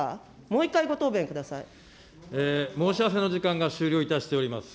もう一回、申し合わせの時間が終了いたしております。